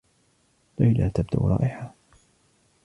ليلى تبدو رائعة.